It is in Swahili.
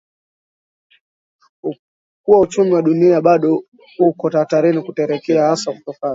kuwa uchumi wa dunia bado uko hatarini kutetereka hasa kutokana